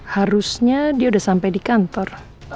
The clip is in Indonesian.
harusnya dia udah sampai di kantor